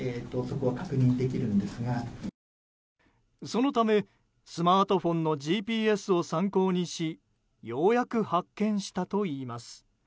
そのため、スマートフォンのＧＰＳを参考にしようやく発見したといいます。